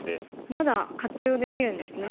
まだ活用できるんですね。